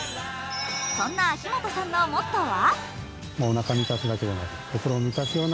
そんな秋元さんのモットーは？